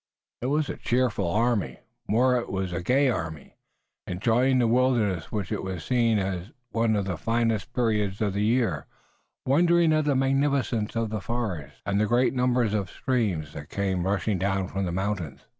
It was a cheerful army, more it was a gay army, enjoying the wilderness which it was seeing at one of the finest periods of the year, wondering at the magnificence of the forest, and the great number of streams that came rushing down from the mountains.